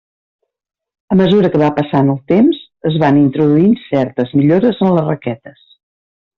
A mesura que va passant el temps es van introduint certes millores en les raquetes.